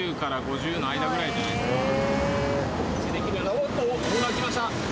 おっとオーダーきました！